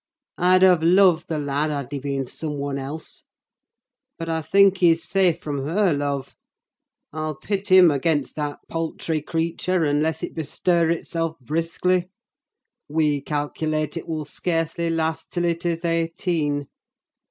I'd have loved the lad had he been some one else. But I think he's safe from her love. I'll pit him against that paltry creature, unless it bestir itself briskly. We calculate it will scarcely last till it is eighteen.